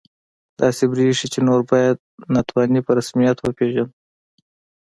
داسې بریښي چې نور باید ناتواني په رسمیت وپېژنو